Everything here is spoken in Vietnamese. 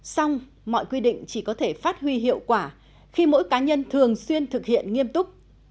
xong mọi quy định chỉ có thể phát huy hiệu quả khi mỗi cá nhân thường xuyên thực hiện nghiêm túc